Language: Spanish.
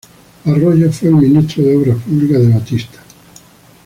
Arroyo fue el ministro de Obras Públicas de Batista.